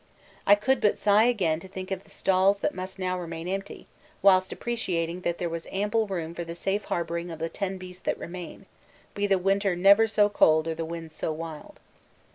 I could but sigh again to think of the stalls that must now remain empty, whilst appreciating that there was ample room for the safe harbourage of the ten beasts that remain, be the winter never so cold or the winds so wild.